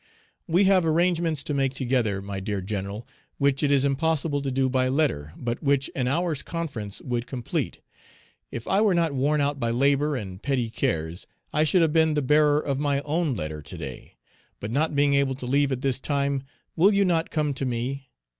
"We have arrangements to make together, my dear General, which it is impossible to do by letter, but which an hour's conference would complete. If I were not worn out by labor and petty cares, I should have been the bearer of my own letter today; but not being able to leave at this time, will you not come to me?